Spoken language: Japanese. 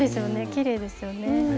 きれいですよね。